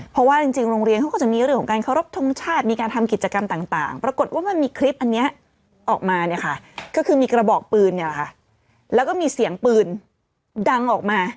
เพราะว่าจริงโรงเรียนเขาก็จะมีเรื่องของการเคารพทงชาติมีการทำกิจกรรมต่างปรากฏว่ามันมีคลิปอันนี้ออกมาเนี่ยค่ะก็คือมีกระบอกปืนเนี่ยค่ะแล้วก็มีเสียงปืนดังออกมา